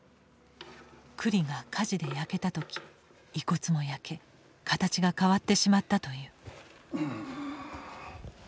庫裏が火事で焼けた時遺骨も焼け形が変わってしまったという。